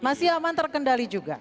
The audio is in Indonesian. masih aman terkendali juga